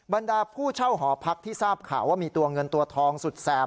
บรรดาผู้เช่าหอพักที่ทราบข่าวว่ามีตัวเงินตัวทองสุดแสบ